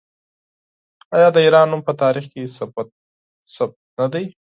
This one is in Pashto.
آیا د ایران نوم په تاریخ کې ثبت نه دی؟